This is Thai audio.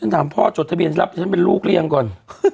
ถ้าพ่อจดทะเบียนรับด้วยฉันไปลูกเรียงก่อน